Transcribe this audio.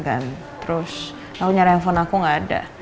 dan terus aku nyari handphone aku enggak ada